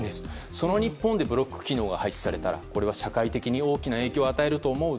その日本でブロック機能が廃止されたらこれは社会的に大きな影響を与えると思う。